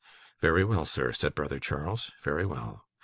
'Very well, sir,' said brother Charles. 'Very well.